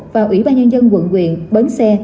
và ủy ban nhân dân quận quyền bến xe